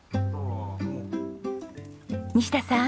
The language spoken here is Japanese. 西田さん。